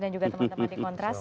juga teman teman di kontras